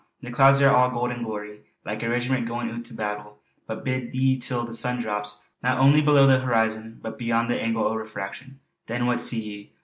The clouds are all gold and glory, like a regiment goin' oot to the battle. But bide ye till the sun drops, not only below the horizon but beyond the angle o' refraction. Then what see ye?